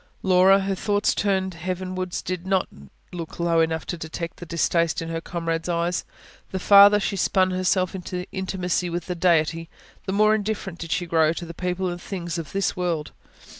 Laura, her thoughts turned heavenwards, did not look low enough to detect the distaste in her comrades' eyes. The farther she spun herself into her intimacy with the Deity, the more indifferent did she grow to the people and things of this world.